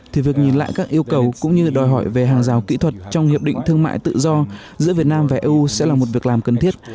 thì việc nhìn lại các yêu cầu cũng như đòi hỏi về hàng rào kỹ thuật trong hiệp định thương mại tự do giữa việt nam và eu sẽ là một việc làm cần thiết